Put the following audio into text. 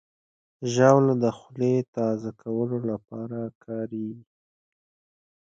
ژاوله د خولې تازه کولو لپاره کارېږي.